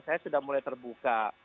saya sudah mulai terbuka